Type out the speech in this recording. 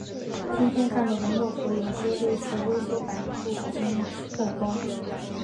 今天看到的木府有些类似微缩版的北京故宫。